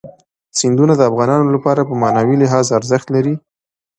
سیندونه د افغانانو لپاره په معنوي لحاظ ارزښت لري.